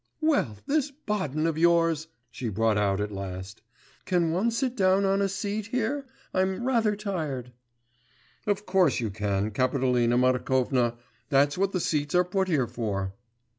'Well, this Baden of yours!' she brought out at last. 'Can one sit down on a seat here? I'm rather tired.' 'Of course you can, Kapitolina Markovna.... That's what the seats are put here for.